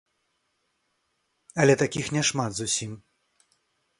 Але такіх няшмат зусім.